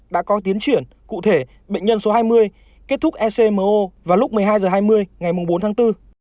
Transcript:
đã có tiến triển cụ thể bệnh nhân số hai mươi kết thúc ecmo vào lúc một mươi hai h hai mươi ngày bốn tháng bốn